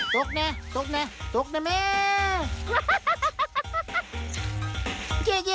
ตกนะตกนะแม่